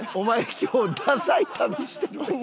今日ダサい旅してるで。